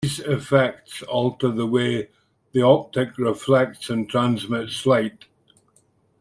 These effects alter the way the optic reflects and transmits light.